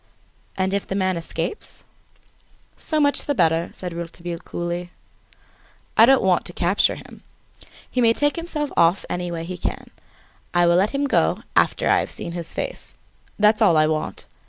"And if the man escapes?" "So much the better," said Rouletabille, coolly, "I don't want to capture him. He may take himself off any way he can. I will let him go after I have seen his face. That's all I want.